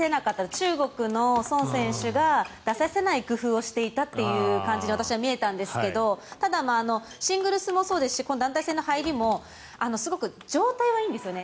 中国のソン選手が出させない工夫をしていたというふうに私は見えたんですけどただ、シングルスもそうですしこの団体戦の入りもすごく状態はいいんですよね。